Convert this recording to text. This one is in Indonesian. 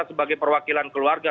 sebagai perwakilan keluarga